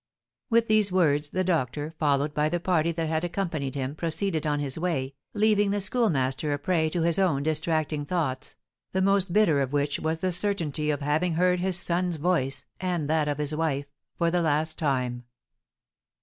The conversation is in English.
With these words the doctor, followed by the party that had accompanied him, proceeded on his way, leaving the Schoolmaster a prey to his own distracting thoughts, the most bitter of which was the certainty of having heard his son's voice, and that of his wife, for the last time.